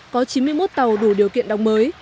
có chín mươi một tàu đủ điều kiện đóng mới